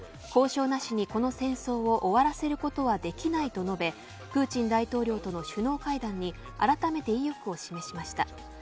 交渉なしにこの戦争を終わらせることはできないと述べプーチン大統領との首脳会談にあらためて意欲を示しました。